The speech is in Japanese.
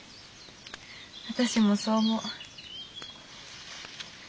私もそう思う。